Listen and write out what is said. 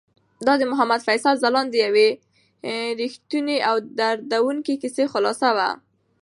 دا د محمد فیصل ځلاند د یوې رښتونې او دردونکې کیسې خلاصه وه.